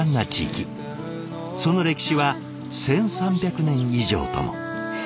その歴史は１，３００年以上とも。